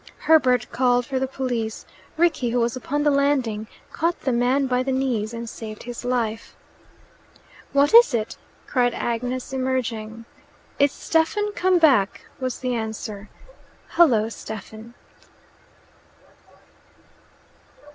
Herbert called for the police. Rickie, who was upon the landing, caught the man by the knees and saved his life. "What is it?" cried Agnes, emerging. "It's Stephen come back," was the answer. "Hullo, Stephen!"